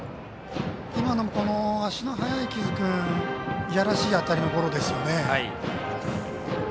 今のも、足の速い木津君いやらしい当たりのゴロですよね。